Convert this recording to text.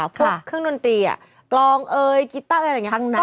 พวกเครื่องดนตรีอะกรองเอยกิตเตอร์อะไรอย่างเงี้ย